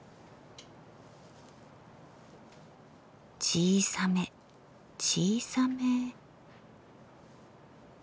小さめ小さめ。